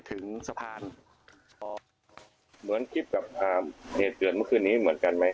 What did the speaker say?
เหมือนคลิปกับเหนียดเกริญเมื่อคืนนี้เหมือนกันไหม